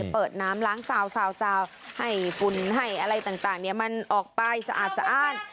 เปิดน้ำล้างซาวให้ฝุ่นให้อะไรต่างมันออกไปสะอาดสะอ้าน